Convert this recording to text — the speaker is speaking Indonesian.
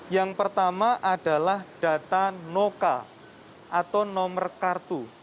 yang pertama adalah data noca atau nomor kartu